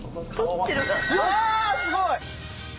うわすごい！